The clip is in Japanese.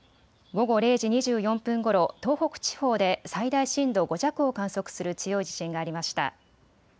午後０時２４分ごろ、東北地方で最大震度５弱を観測する強い地震がありました。